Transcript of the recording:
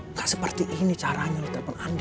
nggak seperti ini caranya lu telepon andi